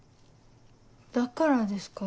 だからですか。